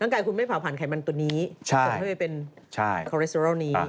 ร่างกายคุณไม่ผ่าผันไขมันตัวนี้ส่วนให้เป็นคอเลสเตอรอลนี้